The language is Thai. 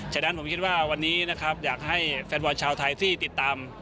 ฉะนั้นผมคิดว่าวันนี้นะครับอยากให้แฟนบอลชาวไทยที่ติดตาม